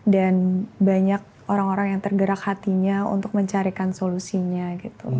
dan banyak orang orang yang tergerak hatinya untuk mencarikan solusinya gitu